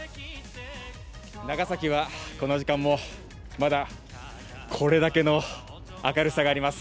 長崎はこの時間もまだこれだけの明るさがあります。